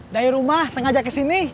dari rumah sengaja kesini